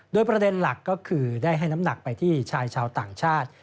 โดยประเด็นหลักก็คือได้ให้น้ำหนักไปที่ชายชาวต่างชาติ